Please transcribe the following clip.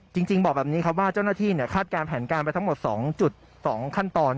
จริงจริงบอกแบบนี้ครับว่าเจ้าหน้าที่เนี่ยคาดการณ์แผนการไปทั้งหมดสองจุดสองขั้นตอน